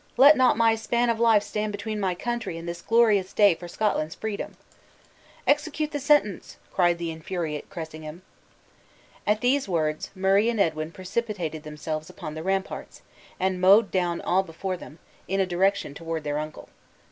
Let not my span of life stand between my country and this glorious day for Scotland's freedom!" "Execute the sentence!" cried the infuriate Cressingham. At these words, Murray and Edwin precipitated themselves upon the ramparts, and mowed down all before them, in a direction toward their uncle.